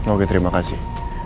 oke terima kasih